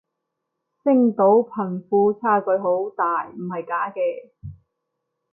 星島貧富差距好大唔係假嘅